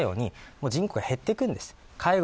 要は人口が減っていくんです。